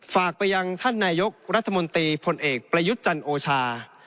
ฝากไปยังท่านนายกรัฐมนตรีพลเอกประยุทธ์จันโอชา